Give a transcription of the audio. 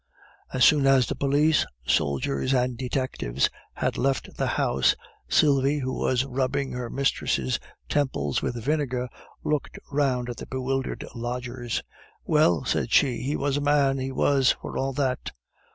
As soon as the police, soldiers, and detectives had left the house, Sylvie, who was rubbing her mistress' temples with vinegar, looked round at the bewildered lodgers. "Well," said she, "he was a man, he was, for all that."